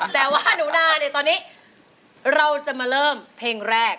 แต่ว่าหนูนาเนี่ยตอนนี้เราจะมาเริ่มเพลงแรก